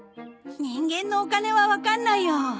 人間のお金はわかんないよ。